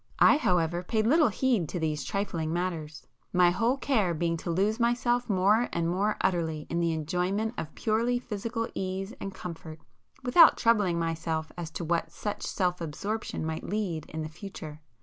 I, however, paid little heed to these trifling matters, my whole care being to lose myself more and more utterly in the enjoyment of purely physical ease and comfort, without troubling myself as to what such self absorption might lead in the future.